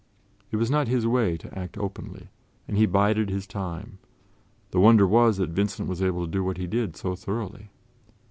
It was not his way to act openly, and he bided his time; the wonder was that Vincent was able to do what he did so thoroughly.